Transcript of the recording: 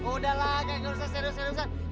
udah lah kayak ngurusin serius seriusan